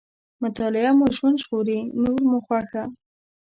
مطالعه مو ژوند ژغوري، نور مو خوښه.